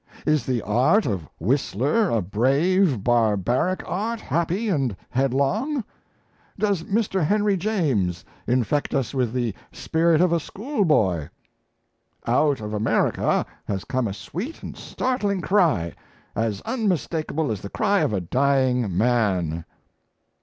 Is the art of Whistler a brave, barbaric art, happy and headlong? Does Mr. Henry James infect us with the spirit of a schoolboy? ... Out of America has come a sweet and startling cry, as unmistakable as the cry of a dying man."